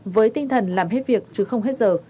với tinh thần làm hết việc chứ không hết giờ